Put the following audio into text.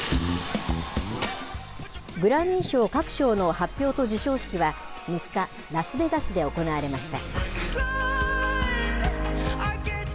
グラミー賞各賞の発表と授賞式は、３日、ラスベガスで行われました。